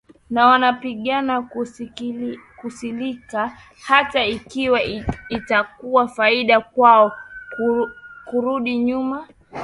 na wanapinga kisilika hata ikiwa itakuwa faida kwao kurudi nyuma